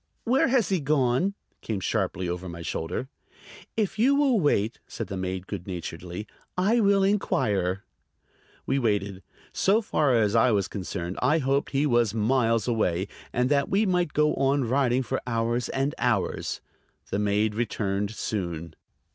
"Where has he gone?" came sharply over my shoulder. "If you will wait," said the maid good naturedly, "I will inquire." We waited. So far as I was concerned, I hoped he was miles away, and that we might go on riding for hours and hours. The maid returned soon.